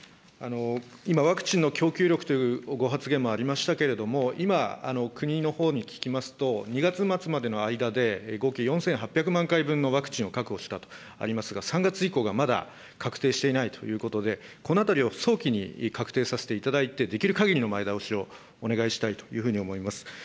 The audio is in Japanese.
今、ワクチンの供給力というご発言もありましたけれども、今、国のほうに聞きますと、２月末までの間で、合計４８００万回分のワクチンを確保したとありますが、３月以降がまだ確定していないということで、このあたりを早期に確定させていただいて、できるかぎりの前倒しをお願いしたいというふうに思います。